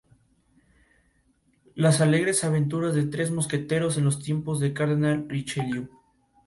El programa tiene tres jurados.